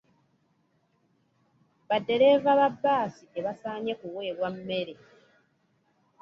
Baddereeva ba bbaasi tebasaanye kuweebwa mmere.